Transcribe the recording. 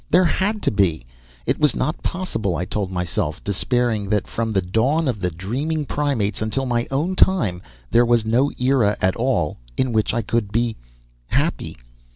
There had to be! It was not possible, I told myself, despairing, that from the dawn of the dreaming primates until my own time there was no era at all in which I could be happy?